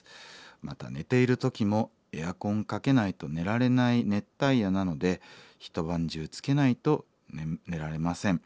また寝ている時もエアコンかけないと寝られない熱帯夜なので一晩中つけないと寝られません。